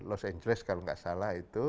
los angeles kalau nggak salah itu